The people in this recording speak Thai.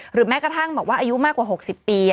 แม้กระทั่งบอกว่าอายุมากกว่า๖๐ปี